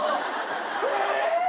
え！？